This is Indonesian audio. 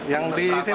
yang di sini